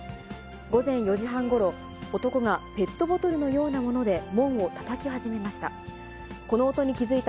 午前４時半ごろ、男がペットボトルのようなもので門をたたき始めました。